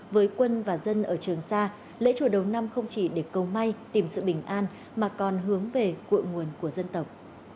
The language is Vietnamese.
với quân và dân ở trường sa lễ chùa đầu năm không chỉ để cầu may tìm sự bình an mà còn hướng về cội nguồn của dân tộc